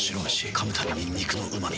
噛むたびに肉のうま味。